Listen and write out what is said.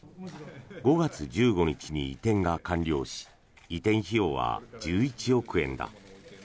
５月１５日に移転が完了し移転費用は１１億円だ。